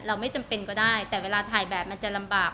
ไม่จำเป็นก็ได้แต่เวลาถ่ายแบบมันจะลำบาก